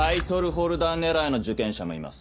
ホルダー狙いの受験者もいます。